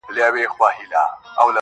• پر دوږخ باندي صراط او نري پلونه -